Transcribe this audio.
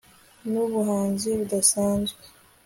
nubuhanzi budasanzwe